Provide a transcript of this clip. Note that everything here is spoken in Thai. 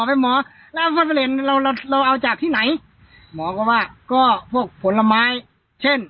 ไปหมอแล้วเราเราเอาจากที่ไหนหมอก็ว่าก็พวกผลไม้เช่น